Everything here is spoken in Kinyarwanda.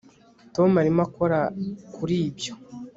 Tom arimo akora kuri ibyo